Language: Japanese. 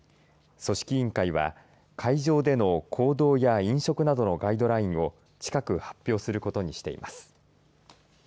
組織委員会は会場での行動や飲食などのガイドラインを近く発表することにしています。